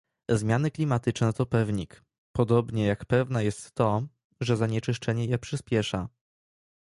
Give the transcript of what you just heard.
Zmiany klimatyczne to pewnik, podobnie jak pewne jest to, że zanieczyszczenie je przyspiesza